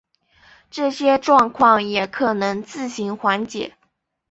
这些状况也可能自行缓解。